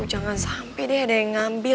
jangan sampai deh ada yang ngambil